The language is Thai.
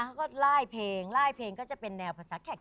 แล้วก็ไล่เพลงล่ายเพลงก็จะเป็นแนวภาษาแขก